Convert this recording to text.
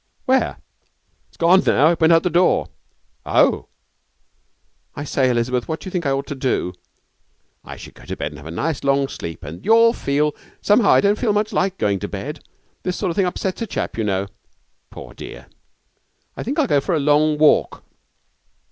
'Where?' 'It's gone now. It went out of the door.' 'Oh!' 'I say, Elizabeth, what do you think I ought to do?' 'I should go to bed and have a nice long sleep, and you'll feel ' 'Somehow I don't feel much like going to bed. This sort of thing upsets a chap, you know.' 'Poor dear!' 'I think I'll go for a long walk.'